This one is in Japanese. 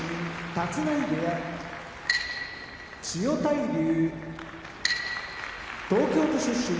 立浪部屋千代大龍東京都出身